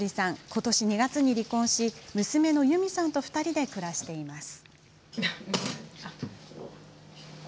今年２月に離婚し娘のユミさんと２人で暮らしています。